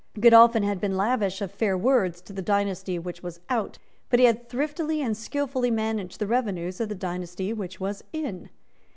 Godolphin had been lavish of fair words to the dynasty which was out; but he had thriftily and skilfully managed the revenues of the dynasty which was in.